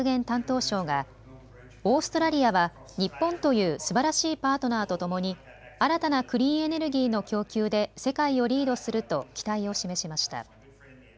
担当相がオーストラリアは日本というすばらしいパートナーと共に新たなクリーンエネルギーの供給で世界をリードすると期待を示しました。